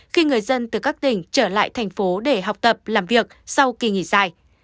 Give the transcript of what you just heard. khi người dân từ các tỉnh trở lại tp hcm để học tập làm việc sau kỳ nghỉ dài